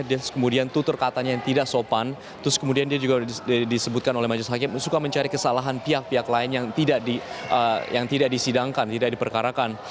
dia kemudian tutur katanya yang tidak sopan terus kemudian dia juga disebutkan oleh majelis hakim suka mencari kesalahan pihak pihak lain yang tidak disidangkan tidak diperkarakan